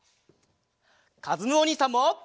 かずむおにいさんも！